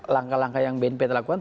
langkah langkah yang bnpt lakukan